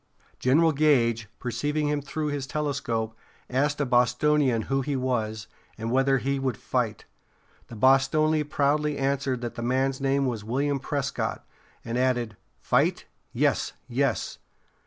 General Gage, perceiving him through his telescope, asked a Bostonian who he was, and whether he would fight. The Bostonian proudly answered that the man's name was William Prescott, and added: "Fight? Yes, yes!